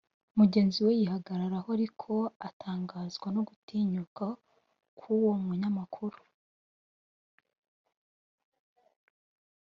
mugenzi we yihagararaho ariko atangazwa no gutinyuka kw'uwo munyamakuru.